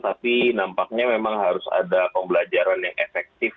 tapi nampaknya memang harus ada pembelajaran yang efektif